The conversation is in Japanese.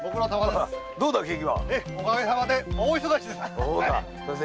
お陰さまで大忙しでさ。